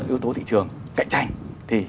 yếu tố thị trường cạnh tranh thì